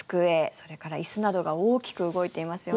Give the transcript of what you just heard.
それから椅子などが大きく動いていますよね。